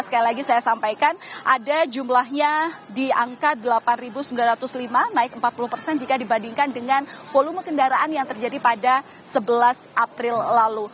sekali lagi saya sampaikan ada jumlahnya di angka delapan sembilan ratus lima naik empat puluh persen jika dibandingkan dengan volume kendaraan yang terjadi pada sebelas april lalu